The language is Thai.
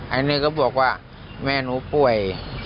อันนี้ก็บอกว่าแม่หนูป่วย